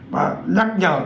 và nhắc nhở